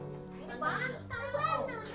dia masih kecil